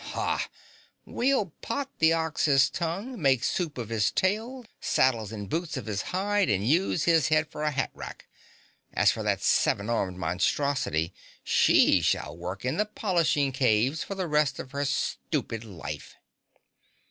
Hah! We'll pot the Ox's tongue, make soup of his tail, saddles and boots of his hide and use his head for a hat rack. As for that seven armed monstrosity, she shall work in the polishing caves for the rest of her stupid life."